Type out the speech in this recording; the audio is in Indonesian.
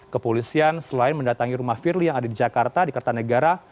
kepolisian selain mendatangi rumah firly yang ada di jakarta di kertanegara